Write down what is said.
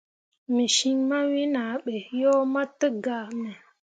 Me cin mawen ah ɓe yo mah tǝgaa me.